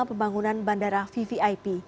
pembangunan bandara vvip